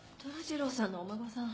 寅二郎さんのお孫さん。